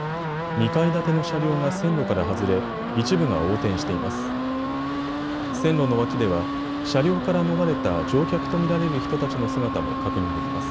２階建ての車両が線路から外れ一部が横転しています。